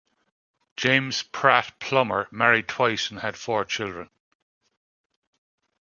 James Pratt Plummer married twice and had four children.